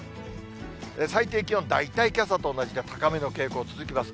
最低気温、大体けさと同じで高めの傾向続きます。